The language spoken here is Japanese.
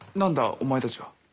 お前たちは？